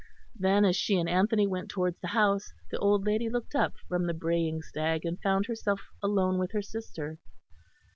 Then, as she and Anthony went towards the house, the old lady looked up from the braying stag and found herself alone with her sister.